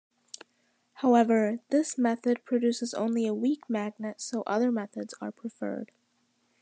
However, this method produces only a weak magnet so other methods are preferred.